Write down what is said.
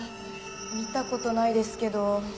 見た事ないですけど。